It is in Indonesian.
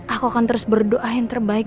aku akan terus berdoa yang terbaik